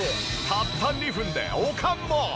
たった２分でおかんも！